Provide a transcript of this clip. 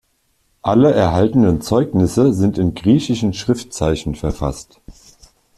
Alle erhaltenen Zeugnisse sind in griechischen Schriftzeichen verfasst.